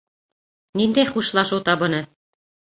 Ниндәй «хушлашыу» табыны?